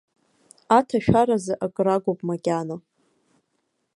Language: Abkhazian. Аҭашәаразы акыр агуп макьана.